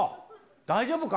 大丈夫か？